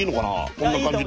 こんな感じで。